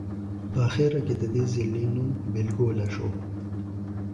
The district eventually adopted the simplified name "Bilgola".